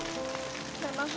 memang harganya berapa